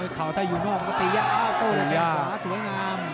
ถ้าอยู่นอกก็ตียากสวยงาม